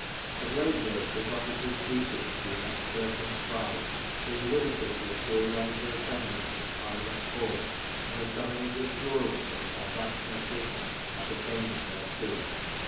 Of late years this officer's duties have been much circumscribed, being limited to a periodical attendance at the Halmot Court, and the sum moning of juries for the transaction of business appertaining thereto.